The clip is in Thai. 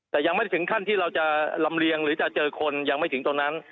แต่ยังไม่ได้ถึงขั้นที่เราจะลำเลียงหรือจะเจอคนยังไม่ถึงตรงนั้น